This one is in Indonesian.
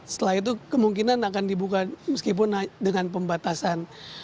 setelah itu kemungkinan akan dibuka meskipun dengan pembatasan